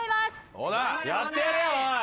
やってやれよおい！